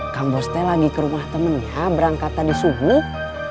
kan bosnya lagi ke rumah temenya berangkat tadi subuh